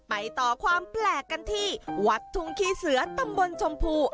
ไปโตความแปลกกันที่วลัดธุงที่เสื้อตำบลชมพู